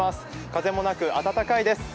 風もなく暖かいです。